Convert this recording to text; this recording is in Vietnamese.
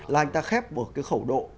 là anh ta khép một cái khẩu độ